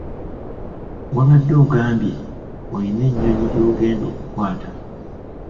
Wabadde ogambye oyina ennyonyi gy'ogenda okukwata!